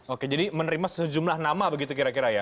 oke jadi menerima sejumlah nama begitu kira kira ya